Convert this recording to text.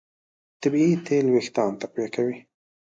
طبیعي تېل وېښتيان تقویه کوي.